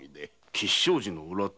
吉祥寺の裏手。